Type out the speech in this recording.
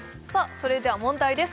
それでは問題です